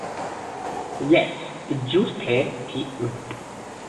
Jes, ĝuste tiu.